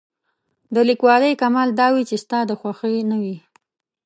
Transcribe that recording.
د لیکوالۍ کمال دا وي چې ستا د خوښې نه وي.